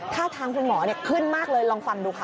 ถ้าทางคุณหมอขึ้นมากเลยลองฟังดูค่ะ